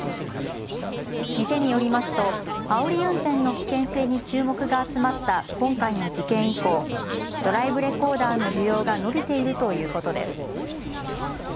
店によりますとあおり運転の危険性に注目が集まった今回の事件以降、ドライブレコーダーの需要が伸びているということです。